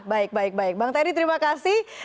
bang terry terima kasih